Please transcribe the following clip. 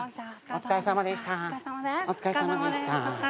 お疲れさまでした。